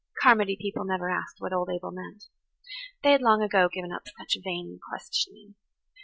Carmody people never asked what old Abel meant. They had long ago given up such vain questioning.